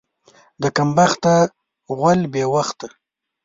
د کم بخته غول بې وخته.